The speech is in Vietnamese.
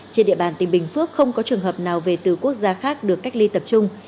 trên địa bàn tỉnh bình phước không có trường hợp nào về từ quốc gia khác được cách ly tập trung